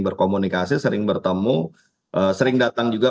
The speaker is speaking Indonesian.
berkomunikasi sering bertemu sering datang juga